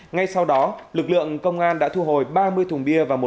ngay sau đó lực lượng công an đã thu hồi ba mươi thùng bia và một xe mô